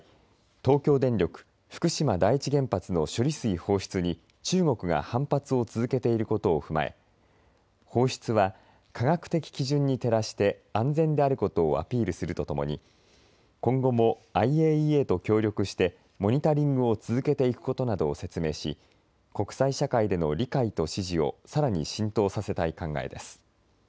東京電力福島第一原発処理水放出に中国が反発を続けいることを踏まえ放出は科学的基準に照らして安全であることをアピールするとともに今後もＩＡＥＡと協力してモニタリングを続けていくことなどを説明し国際社会での理解と支持をさらに浸透させたい考えです。